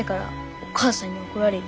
お母さんに怒られる。